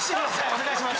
お願いします。